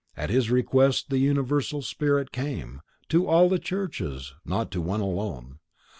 At his request the Universal Spirit came To all the churches, not to one alone.